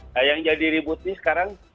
nah yang jadi ribut ini sekarang